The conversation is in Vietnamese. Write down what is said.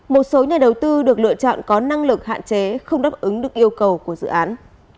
một số nhà đầu tư được lựa chọn có năng lực hạn chế không đáp ứng được yêu cầu của dự án